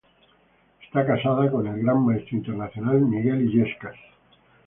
Está casada con el gran maestro internacional Miguel Illescas.